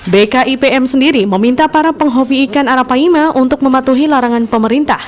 bkipm sendiri meminta para penghobi ikan arapaima untuk mematuhi larangan pemerintah